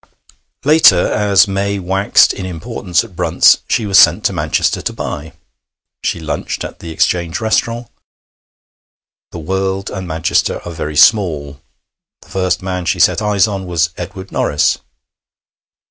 Later, as May waxed in importance at Brunt's, she was sent to Manchester to buy. She lunched at the Exchange Restaurant. The world and Manchester are very small. The first man she set eyes on was Edward Norris.